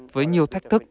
với nhiều thách thức